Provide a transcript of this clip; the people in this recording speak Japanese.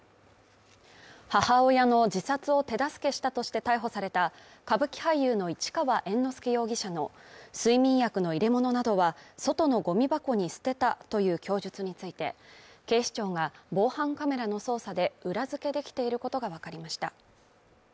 母親の自殺を手助けしたとして逮捕された歌舞伎俳優の市川猿之助容疑者の睡眠薬の入れ物などは外のゴミ箱に捨てたという供述について警視庁が防犯カメラの捜査で裏付けできていることがわかりました。